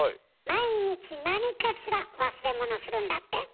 毎日何かしら忘れ物するんだって？